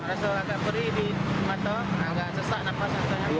rasa agak perih di mata agak sesak nafas